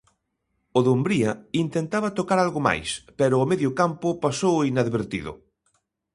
O Dumbría intentaba tocar algo máis pero o medio campo pasou inadvertido.